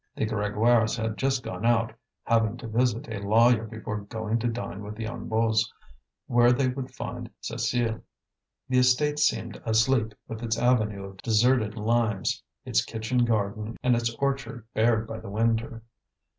The Grégoires had just gone out, having to visit a lawyer before going to dine with the Hennebeaus, where they would find Cécile. The estate seemed asleep, with its avenue of deserted limes, its kitchen garden and its orchard bared by the winter.